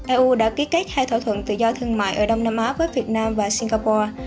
eu đã ký kết hai thỏa thuận tự do thương mại ở đông nam á với việt nam và singapore